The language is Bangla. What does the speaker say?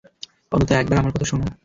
অন্তত একবার আমার কথা শোন।